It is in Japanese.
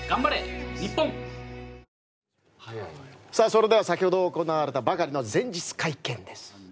それでは先ほど行われたばかりの前日会見です。